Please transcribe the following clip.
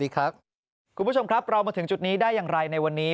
คุณผู้ชมครับเรามาถึงจุดนี้ได้อย่างไรในวันนี้